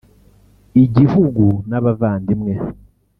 igihugu n’abavandimwe